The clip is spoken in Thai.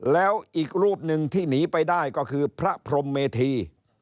แล้วอีกรูปหนึ่งที่หนีไปได้ก็คือพระพรมเมธี